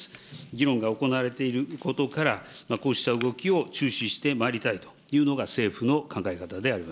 議論が行われていることから、こうした動きを注視してまいりたいというのが政府の考え方であり